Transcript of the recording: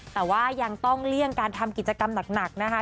แต่ว่ายังต้องเลี่ยงการทำกิจกรรมหนักนะคะ